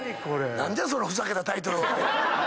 何じゃそのふざけたタイトルは。